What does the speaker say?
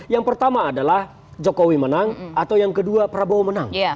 yang pertama adalah jokowi menang atau yang kedua prabowo menang